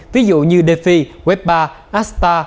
ví dụ như defi web ba asta